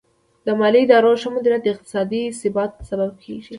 د مالي ادارو ښه مدیریت د اقتصادي ثبات سبب کیږي.